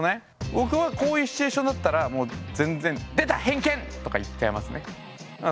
僕はこういうシチュエーションだったらもう全然「出た！偏見！」とか言っちゃいますね。